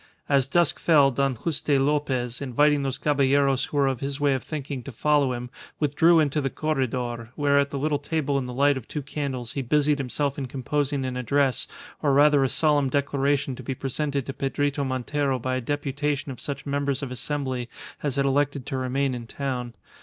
As dusk fell Don Juste Lopez, inviting those caballeros who were of his way of thinking to follow him, withdrew into the corredor, where at a little table in the light of two candles he busied himself in composing an address, or rather a solemn declaration to be presented to Pedrito Montero by a deputation of such members of Assembly as had elected to remain in town.